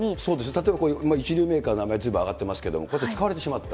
例えば、一流メーカーの名前、ずいぶんあがってますけれども、こうやって使われてしまった。